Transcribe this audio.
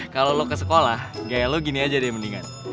kalau lo ke sekolah gaya lo gini aja deh yang mendingan